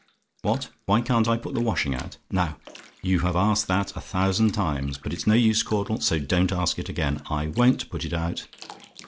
"What? "WHY CAN'T I PUT THE WASHING OUT? "Now, you have asked that a thousand times, but it's no use, Caudle; so don't ask it again. I won't put it out.